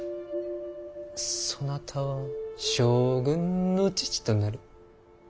「そなたは将軍の父となる！」と。